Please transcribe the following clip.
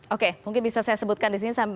oke mungkin bisa saya sebutkan di sini